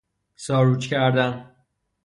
ساروج کردن